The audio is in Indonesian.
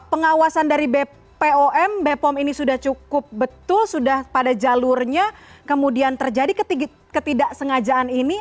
pengawasan dari bpo m bpo m ini sudah cukup betul sudah pada jalurnya kemudian terjadi ketidaksengajaan ini